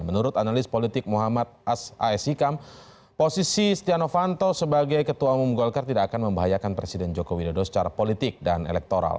menurut analis politik muhammad as hikam posisi stiano fanto sebagai ketua umum golkar tidak akan membahayakan presiden joko widodo secara politik dan elektoral